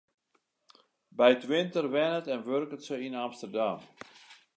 By 't winter wennet en wurket se yn Amsterdam.